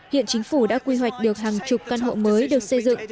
hiện chính phủ đã quy hoạch được hàng chục căn hộ mới được xây dựng